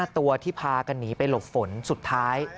ตัวที่พากันหนีไปหลบฝนสุดท้าย